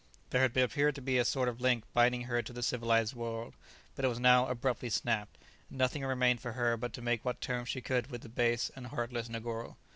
There had appeared to be a sort of a link binding her to the civilized world, but it was now abruptly snapped, and nothing remained for her but to make what terms she could with the base and heartless Negoro.